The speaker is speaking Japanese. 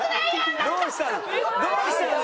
どうしたの？